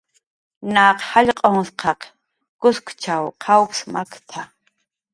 "Naq jallq'unhshqaq kuskchaw qawps makt""a"